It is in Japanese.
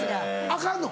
アカンの？